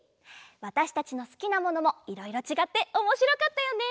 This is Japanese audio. わたしたちのすきなものもいろいろちがっておもしろかったよね。